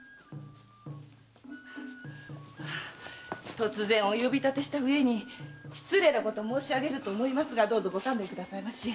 突然お呼び立てしたうえに失礼なことを申し上げると思いますがどうぞご勘弁ください。